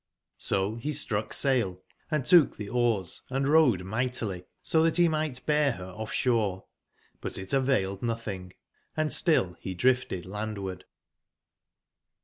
So he struck sail, and took the oars and rowed mightily so that he might bear her off shore; but it availed nothing, & still he drifted landward.